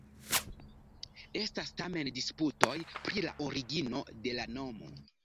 Estas tamen disputoj pri la origino de la nomo.